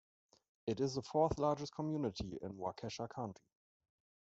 It is the fourth largest community in Waukesha County.